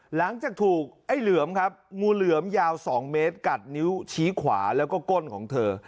หลังจากถูกไอ้เหลือมครับงูเหลือมยาว๒เมตรกัดนิ้วชี้ขวาแล้วก็ก้นของเธอ